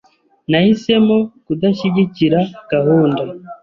Nahisemo kudashyigikira gahunda.